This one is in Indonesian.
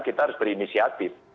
kita harus berinisiatif